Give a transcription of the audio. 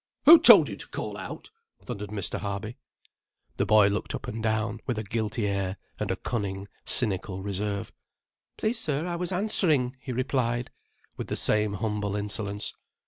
"Who told you to call out?" thundered Mr. Harby. The boy looked up and down, with a guilty air, and a cunning, cynical reserve. "Please, sir, I was answering," he replied, with the same humble insolence.